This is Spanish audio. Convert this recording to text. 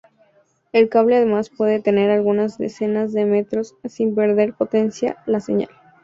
El cable además puede tener algunas decenas de metros sin perder potencia la señal.